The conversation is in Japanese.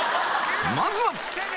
まずは。